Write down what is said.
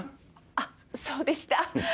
あっそうでした。